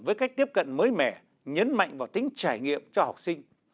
với cách tiếp cận mới mẻ nhấn mạnh vào tính trải nghiệm cho học sinh